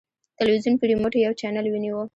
تلویزیون په ریموټ یو چینل ونیو.